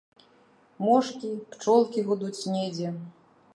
Мошкі, пчолкі гудуць недзе.